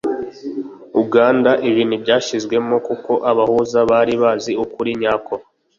uganda. ibi ntibyashyizwemo kuko abahuza bari bazi ukuri nyako.